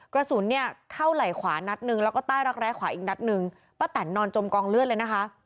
กระสุนเนี่ยเข้าไหล่ขวานัดหนึ่งแล้วก็ใต้รักแร้ขวาอีกนัดหนึ่งป้าแตนนอนจมกองเลือดเลยนะคะ